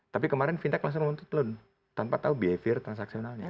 tapi kemarin fintech langsung nonton tanpa tahu behavior transaksionalnya